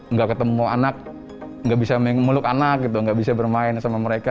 nggak ketemu anak nggak bisa memeluk anak gitu nggak bisa bermain sama mereka